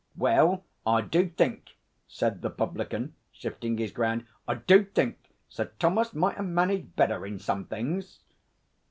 'Well, I do think,' said the publican, shifting his ground, 'I do think Sir Thomas might ha' managed better in some things.'